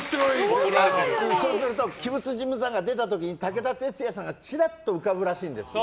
そうすると鬼舞辻無惨が出た時武田鉄矢さんがちらっと浮かぶらしいんですよ。